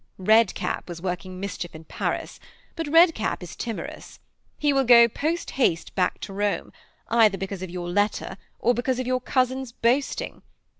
'Red Cap was working mischief in Paris but Red Cap is timorous. He will go post haste back to Rome, either because of your letter or because of your cousin's boasting.